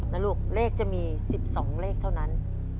ลูกเลขจะมี๑๒เลขเท่านั้น